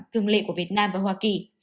thường lệ của việt nam và hoa kỳ